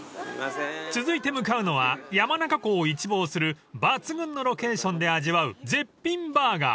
［続いて向かうのは山中湖を一望する抜群のロケーションで味わう絶品バーガー］